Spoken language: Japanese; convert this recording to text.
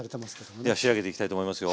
では仕上げていきたいと思いますよ。